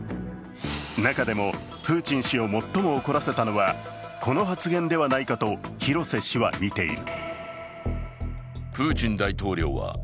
中でもプーチン氏を最も怒らせたのはこの発言ではないかと廣瀬氏は見ている。